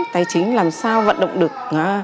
tài chính làm sao vận động được